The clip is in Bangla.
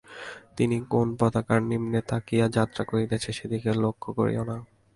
তুমি কোন পতাকার নিম্নে থাকিয়া যাত্রা করিতেছ, সেদিকে লক্ষ্য করিও না।